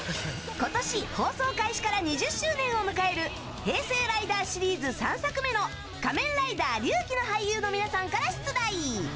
今年、放送開始から２０周年を迎える平成ライダーシリーズ３作目の「仮面ライダー龍騎」の俳優の皆さんから出題。